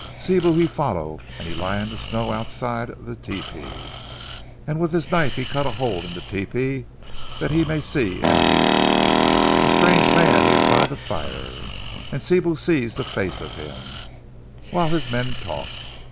Sibou he follow, and he lie in ze snow outside ze tepee, and with his knife he cut a hole in the tepee dat he may see and hear. Ze stranger mans is by ze fire, and Sibou see ze face of him, whilst his men talk.